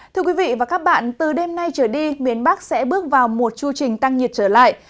thưa quý vị và các bạn từ đêm nay trở đi miền bắc sẽ bước vào một chưu trình tăng nhiệt trở lại